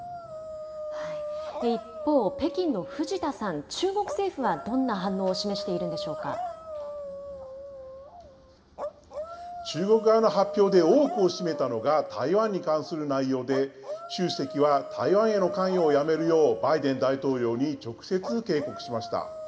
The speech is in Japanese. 一方、北京の藤田さん、中国政府はどんな反応を示しているん中国側の発表で多くを占めたのが台湾に関する内容で、習主席は台湾への関与をやめるよう、バイデン大統領に直接警告しました。